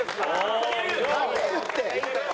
勝てるって！